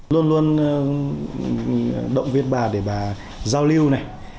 luôn luôn động viên bà để bà giao lưu này